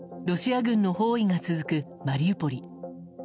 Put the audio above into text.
ロシア軍の包囲が続くマリウポリ。